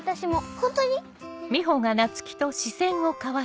ホントに？